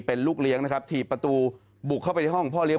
เป็นลูกเลี้ยงนะครับถีบประตูบุกเข้าไปในห้องพ่อเลี้ย